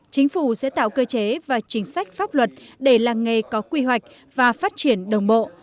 chính phủ sẽ tạo cơ chế và chính sách pháp luật để làng nghề có quy hoạch và phát triển đồng bộ